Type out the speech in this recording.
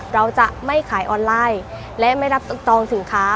เราจะไม่ขายออนไลน์และไม่รับตองสินค้า